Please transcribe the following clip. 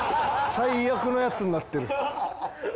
最悪のヤツになってる。